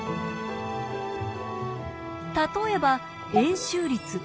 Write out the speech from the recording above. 例えば円周率π。